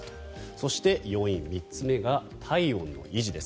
そして、要因３つ目が体温の維持です。